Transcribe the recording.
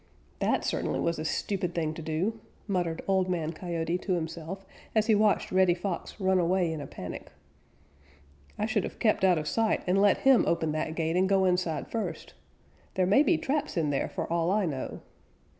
"That certainly was a stupid thing to do," muttered Old Man Coyote to himself, as he watched Reddy Fox run away in a panic. "I should have kept out of sight and let him open that gate and go inside first. There may be traps in there, for all I know.